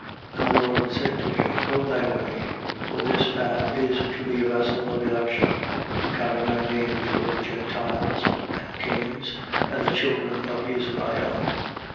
9:15. And the Lord said to him: Go thy way: for this man is to me a vessel of election, to carry my name before the Gentiles and kings and the children of Israel.